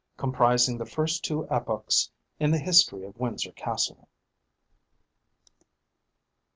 Comprising the First Two Epochs in the History of Windsor Castle.